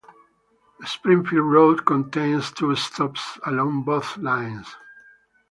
Springfield Road contains two stops along both lines.